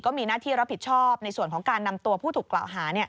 มีหน้าที่รับผิดชอบในส่วนของการนำตัวผู้ถูกกล่าวหา